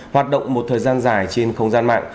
hoạt động một thời gian dài trên không gian mạng